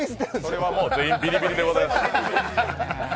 これはもう、全員ビリビリでございます。